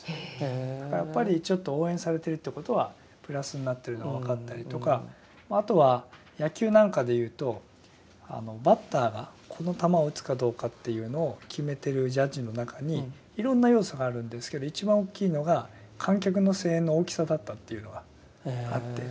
だからやっぱりちょっと応援されてるってことはプラスになってるのが分かったりとかあとは野球なんかでいうとバッターがこの球を打つかどうかっていうのを決めてるジャッジの中にいろんな要素があるんですけど一番大きいのが観客の声援の大きさだったっていうのがあって。